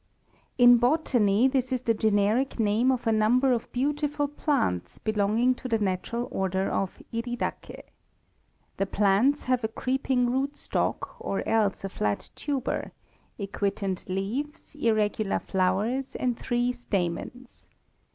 In botany this is the generic name of a number of beautiful plants belonging to the natural order of Iridaceæ. The plants have a creeping rootstock, or else a flat tuber, equitant leaves, irregular flowers, and three stamens.